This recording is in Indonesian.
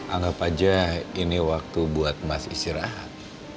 anggap aja ini waktu buat mas istirahat